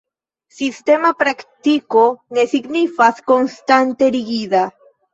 Sistema praktiko ne signifas konstante rigida.